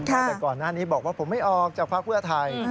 แต่ก่อนหน้านี้บอกว่าผมไม่ออกจากพักเพื่อไทย